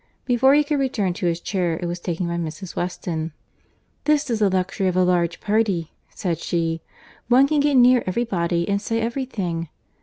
Before he could return to his chair, it was taken by Mrs. Weston. "This is the luxury of a large party," said she:—"one can get near every body, and say every thing.